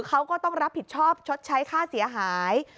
เขาก็ต้องรับผิดชอบชดใช้ค่าเสียหาย